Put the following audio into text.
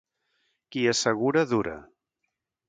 Qui assegura, dura.